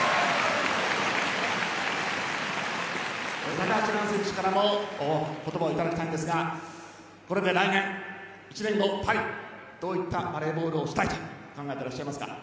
高橋藍選手からも言葉をいただきたいんですがこれで来年、１年後パリどういったバレーボールをしたいと思いますか。